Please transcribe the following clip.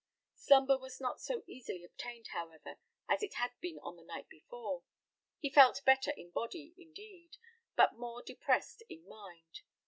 Slumber was not so easily obtained, however, as it had been on the night before: he felt better in body, indeed, but more depressed in mind.